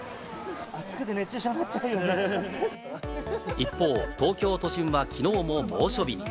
一方、東京都心はきのうも猛暑日に。